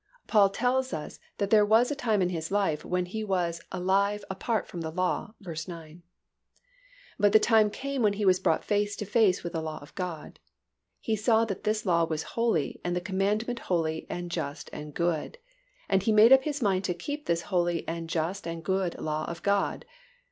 Paul tells us that there was a time in his life when he was "alive apart from the law" (v. 9). But the time came when he was brought face to face with the law of God; he saw that this law was holy and the commandment holy and just and good. And he made up his mind to keep this holy and just and good law of God.